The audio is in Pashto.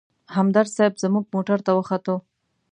همدرد صیب زموږ موټر ته وختو.